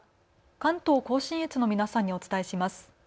関東甲信越の皆さんにお伝えします。